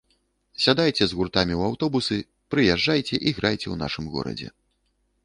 Сядайце з гуртамі ў аўтобусы прыязджайце і грайце ў нашым горадзе.